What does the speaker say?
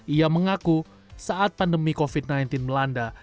ia mengaku saat pandemi covid sembilan belas melanda